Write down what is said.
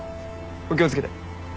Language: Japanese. お気を付けて。